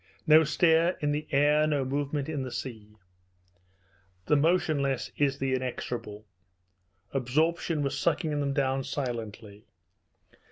No stir in the air, no movement on the sea. The motionless is the inexorable. Absorption was sucking them down silently.